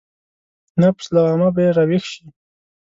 نفس لوامه به يې راويښ شي.